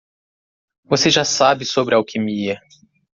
Você já sabe sobre alquimia.